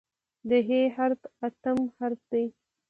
د "ح" حرف اتم حرف دی.